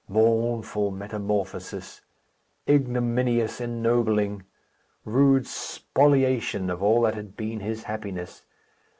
Mournful metamorphosis! Ignominious ennobling! Rude spoliation of all that had been his happiness!